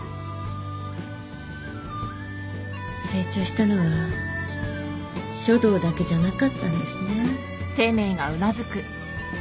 成長したのは書道だけじゃなかったんですね。